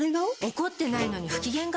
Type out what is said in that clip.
怒ってないのに不機嫌顔？